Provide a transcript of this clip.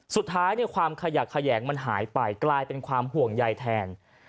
สุดท้ายความขยักแขยงมันหายไปกลายเป็นความห่วงใยแทน